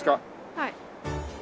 はい。